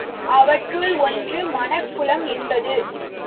அவற்றுள் ஒன்று மணக் குளம் என்பது.